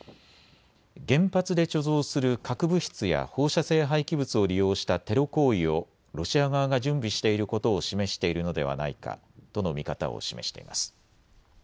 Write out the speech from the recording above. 原発で貯蔵する核物質や放射性廃棄物を利用したテロ行為をロシア側が準備していることを示しているのではないかとの見方を示しています。